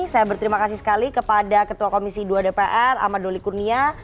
saya berterima kasih sekali kepada ketua komisi dua dpr ahmad doli kurnia